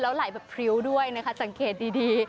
ไหลแบบพริ้วด้วยนะคะสังเกตดี